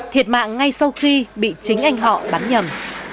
thiệt mạng ngay sau khi bị chính anh họ bắn nhầm